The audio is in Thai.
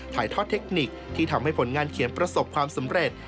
ถ่ายทอดเทคนิคที่ทำให้ผลงานเขียนประสบความสำเร็จ